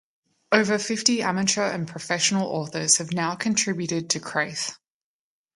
Over fifty amateur and professional authors have now contributed to "Kraith".